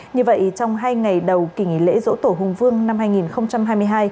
như vậy trong hai ngày đầu kỳ nghỉ lễ dỗ tổ hùng vương năm hai nghìn hai mươi hai